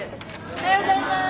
おはようございます。